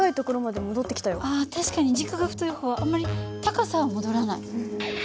確かに軸が太い方はあんまり高さは戻らない。